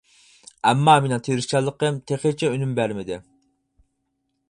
ئەمما، مېنىڭ تىرىشچانلىقىم تېخىچە ئۈنۈم بەرمىدى.